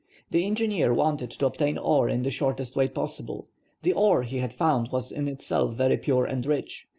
The engineer wanted to obtain iron in the shortest way possible. The ore he had found was in itself very pure and rich.